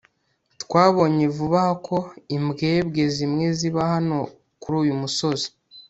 twabonye vuba aha ko imbwebwe zimwe ziba hano kuri uyu musozi